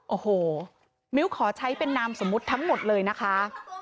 โอ้โหมิ้วขอใช้เป็นนามสมมุติทั้งหมดเลยนะคะ